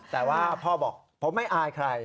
แต่ว่าพ่อบอกผมไม่อายใคร